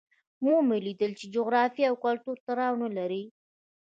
ومو لیدل چې جغرافیې او کلتور تړاو نه لري.